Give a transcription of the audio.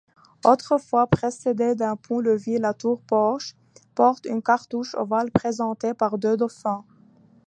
Autrefois précédé d’un pont-levis la tour-porche porte un cartouche ovale présenté par deux dauphins.